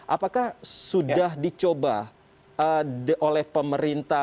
apakah sudah dicoba oleh pemerintah